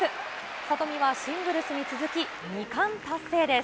里見はシングルスに続き２冠達成です。